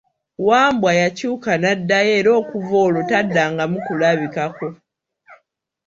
Wambwa yakyuka n'addayo era okuva olwo taddangamu kulabikako.